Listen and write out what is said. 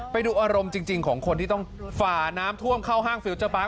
ไปดูอารมณ์จริงของคนที่ต้องฝ่าน้ำท่วมเข้าห้างฟิลเจอร์ปาร์